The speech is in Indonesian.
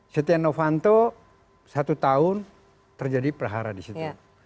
setia novanto satu tahun terjadi perahara di situ